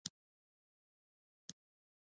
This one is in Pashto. نارې یا غاړې د پښتني فوکلور سپېڅلی شکل دی.